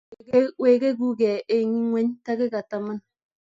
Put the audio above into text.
Weguke eng ingweny takika taman---